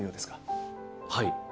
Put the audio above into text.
はい。